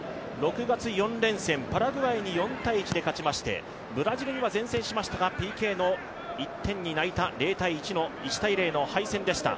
６月４連戦、パラグアイに４−１で勝ちましてブラジルには善戦しましたがＰＫに泣いた１点に泣いた０−１の敗戦でした。